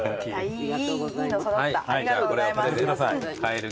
ありがとうございます。